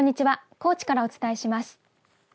高知からお伝えします。